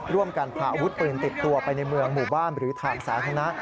ร่วมกันพาอาวุธปืนติดตัวไปในเมืองหมู่บ้านหรือทางสาธารณะ